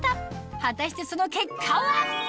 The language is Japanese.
果たしてその結果は？